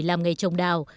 làm nghề trồng đào